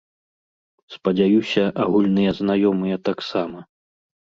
Спадзяюся, агульныя знаёмыя таксама.